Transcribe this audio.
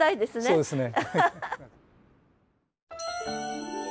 そうですね。